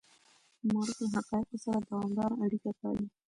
مورخ له حقایقو سره دوامداره اړیکه پالي.